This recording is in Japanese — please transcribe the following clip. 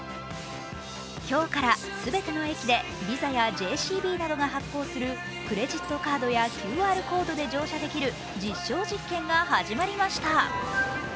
今日から全ての駅で、ＶＩＳＡやＪＣＢなどが発行するクレジットカードやＱＲコードで乗車できる実証実験が始まりました。